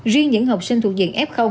riêng những học sinh thuộc diện f